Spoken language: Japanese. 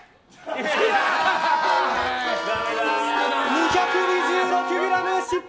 ２２６ｇ、失敗！